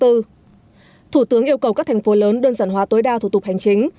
thủ tướng yêu cầu các thành phố lớn đơn giản hóa tối đa thủ tục hành chính